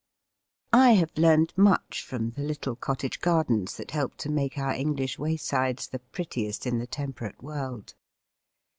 I have learnt much from the little cottage gardens that help to make our English waysides the prettiest in the temperate world.